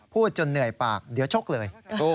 จนเหนื่อยปากเดี๋ยวชกเลย